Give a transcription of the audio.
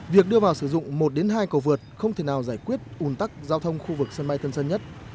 việc đưa vào sử dụng một hai cầu vượt không thể nào giải quyết ủn tắc giao thông khu vực sân bay tân sơn nhất